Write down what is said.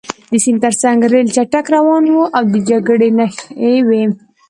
د سیند ترڅنګ ریل چټک روان و او د جګړې نښې وې